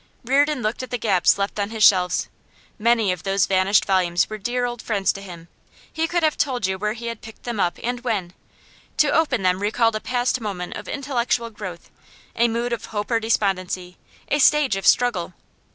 Reardon looked at the gaps left on his shelves. Many of those vanished volumes were dear old friends to him; he could have told you where he had picked them up and when; to open them recalled a past moment of intellectual growth, a mood of hope or despondency, a stage of struggle.